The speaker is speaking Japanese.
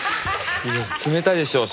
冷たいでしょう